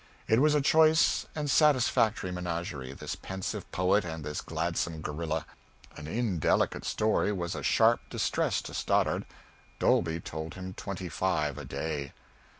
It was a choice and satisfactory menagerie, this pensive poet and this gladsome gorilla. An indelicate story was a sharp distress to Stoddard; Dolby told him twenty five a day.